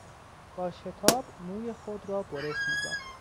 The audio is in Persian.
با شتاب موی خود را برس میزد.